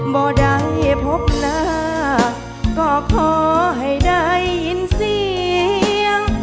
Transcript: บ่ได้พบหน้าก็ขอให้ได้ยินเสียง